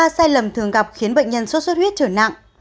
ba sai lầm thường gặp khiến bệnh nhân suốt huyết trở nặng